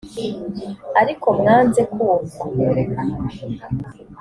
ariko mwanze kumva